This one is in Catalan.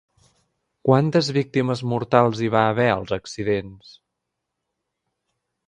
Quantes víctimes mortals hi va haver als accidents?